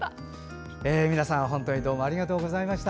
皆さん本当にどうもありがとうございました。